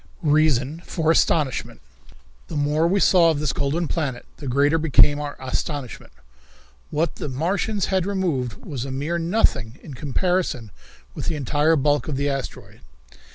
Reason for Astonishment. The more we saw of this golden planet the greater became our astonishment. What the Martians had removed was a mere nothing in comparison with the entire bulk of the asteroid.